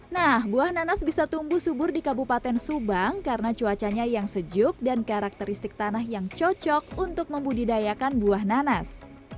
nah buah nanas bisa tumbuh subur di kabupaten subang karena cuacanya yang sejuk dan karakteristik tanah yang cocok untuk membudidayakan buah nanas